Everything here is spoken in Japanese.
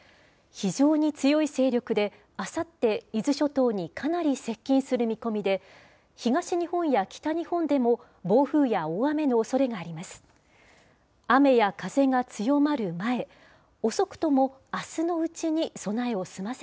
非常に強い勢力で、あさって、伊豆諸島にかなり接近する見込みで、東日本や北日本でも、暴風や大雨のおそれがあります。